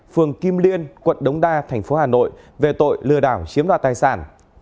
phường kim liên quận đống đa thành phố hà nội về tội lừa đảo chiếm đoạt tài sản